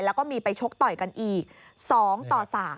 แล้วก็มีไปชกต่อยกันอีก๒ต่อ๓